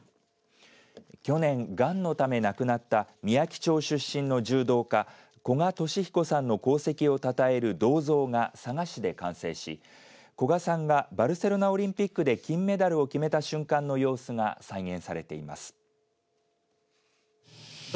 去年、がんのため亡くなったみやき町出身の柔道家、古賀稔彦さんの功績をたたえる銅像が佐賀市で完成し古賀さんがバルセロナオリンピックで金メダルを決めた瞬間の様子が再現されています。